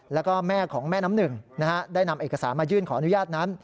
แล้วก็แม่ของแม่น้ำหนึ่งได้นำเอกสารมายื่นขออนุญาตนั้น